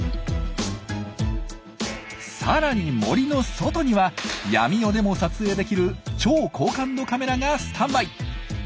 さらに森の外には闇夜でも撮影できる超高感度カメラがスタンバイ。